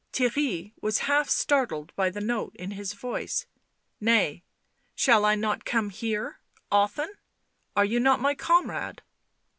Theirry was half startled by the note in his voice. " Nay ... shall I not come here ... often? Are you not my comrade